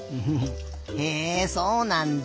へえそうなんだ。